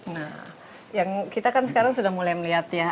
nah yang kita kan sekarang sudah mulai melihat ya